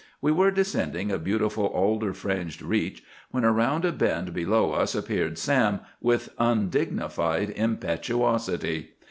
We were descending a beautiful alder fringed reach, when around a bend below us appeared Sam with undignified impetuosity.